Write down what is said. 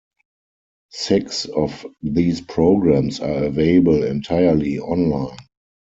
Six of these programs are available entirely online.